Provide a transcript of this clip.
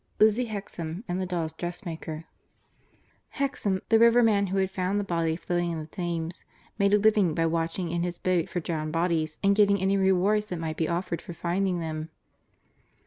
II LIZZIE HEXAM AND THE DOLLS' DRESSMAKER Hexam, the riverman who had found the body floating in the Thames, made a living by watching in his boat for drowned bodies, and getting any rewards that might be offered for finding them.